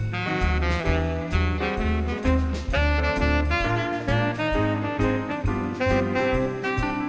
สวัสดีครับสวัสดีครับ